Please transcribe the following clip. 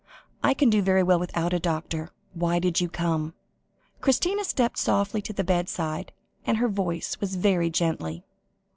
I can do very well without a doctor. Why did you come?" Christina stepped softly to the bedside, and her voice was very gently.